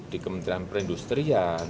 di kementerian perindustrian